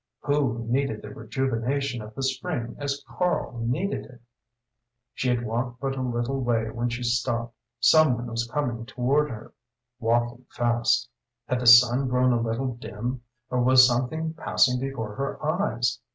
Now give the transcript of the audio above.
Who needed the rejuvenation of the spring as Karl needed it? She had walked but a little way when she stopped. Someone was coming toward her, walking fast. Had the sun grown a little dim or was something passing before her eyes?